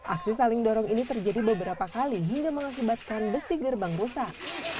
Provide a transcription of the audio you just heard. aksi saling dorong ini terjadi beberapa kali hingga mengakibatkan besi gerbang rusak